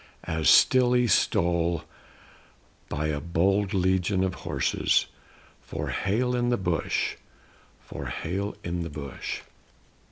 As stilly stole by a bold legion of horse, For Hale in the bush; for Hale in the bush.